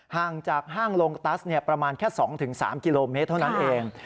ห่างจากห้างโลตัสประมาณแค่๒๓กิโลเมตรเท่านั้นเอง